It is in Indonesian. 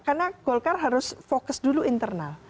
karena golkar harus fokus dulu internal